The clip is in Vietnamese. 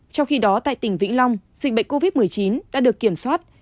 trong khi đó tại tỉnh vĩnh long dịch bệnh covid một mươi chín đã được kiểm soát